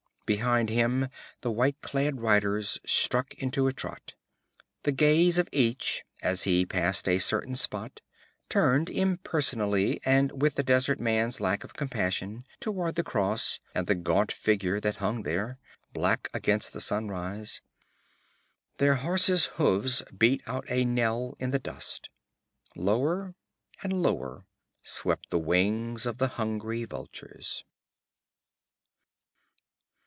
Behind him the white clad riders struck into a trot; the gaze of each, as he passed a certain spot, turned impersonally and with the desert man's lack of compassion, toward the cross and the gaunt figure that hung there, black against the sunrise. Their horses' hoofs beat out a knell in the dust. Lower and lower swept the wings of the hungry vultures.